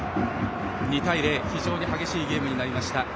２対０非常に激しいゲームになりました。